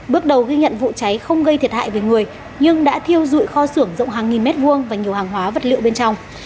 bước đầu ghi nhận vụ cháy không gây thiệt hại về người nhưng đã thiêu dụi kho xưởng rộng hàng nghìn mét vuông và nhiều hàng hóa vật liệu bên trong